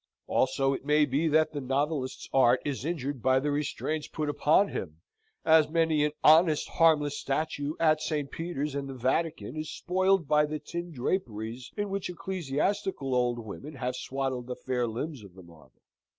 Also, it may be that the novelist's art is injured by the restraints put upon him as many an honest, harmless statue at St. Peter's and the Vatican is spoiled by the tin draperies in which ecclesiastical old women have swaddled the fair limbs of the marble.